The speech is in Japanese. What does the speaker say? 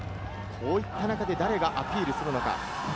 こういった中で誰がアピールするのか。